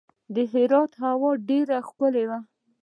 د هرات هوا ډیره ښکلې وه.